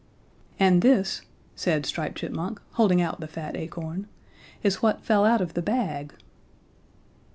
'And this,' said Striped Chipmunk, holding out the fat acorn, 'is what fell out of the bag.'